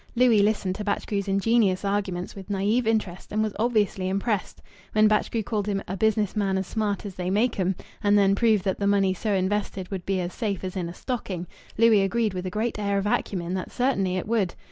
Louis listened to Batchgrew's ingenious arguments with naïve interest and was obviously impressed. When Batchgrew called him "a business man as smart as they make 'em," and then proved that the money so invested would be as safe as in a stocking, Louis agreed with a great air of acumen that certainly it would.